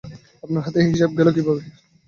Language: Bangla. আপনার হাতে এ হিসাব গেল কীভাবে?